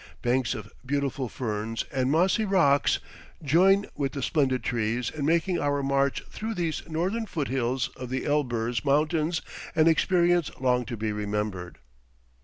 Banks of beautiful ferns, and mossy rocks join with the splendid trees in making our march through these northern foothills of the Elburz Mountains an experience long to be remembered.